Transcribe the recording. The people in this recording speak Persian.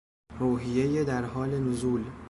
روحیهی در حال نزول